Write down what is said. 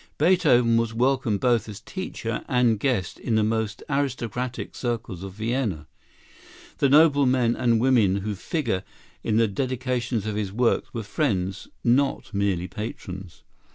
Beethoven was welcome both as teacher and guest in the most aristocratic circles of Vienna. The noble men and women who figure in the dedications of his works were friends, not merely patrons.